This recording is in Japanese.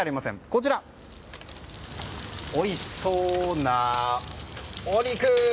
こちら、おいしそうなお肉！